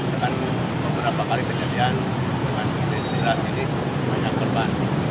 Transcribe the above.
dengan beberapa kali penyediaan dengan miras ini banyak perban